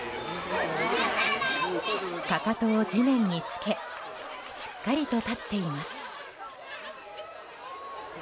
かかとを地面につけしっかりと立っています。